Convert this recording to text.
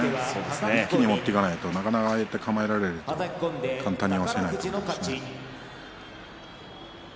一気に持っていかないとなかなかああやって構えられると簡単に押せないですね。